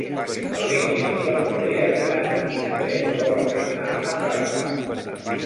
El vint-i-nou de febrer en Dan i na Bet volen anar a Prades.